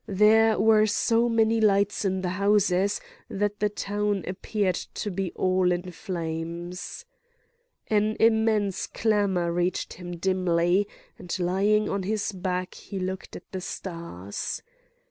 There were so many lights in the houses that the town appeared to be all in flames. An immense clamour reached him dimly; and lying on his back he looked at the stars.